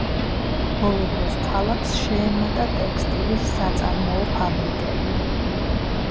ბოლო დროს, ქალაქს შეემატა ტექსტილის საწარმოო ფაბრიკები.